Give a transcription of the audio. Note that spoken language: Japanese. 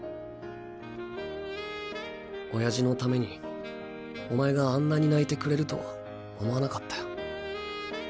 親父のためにお前があんなに泣いてくれるとは思わなかったよ。